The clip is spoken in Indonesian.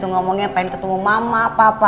ngomongnya pengen ketemu mama apa apa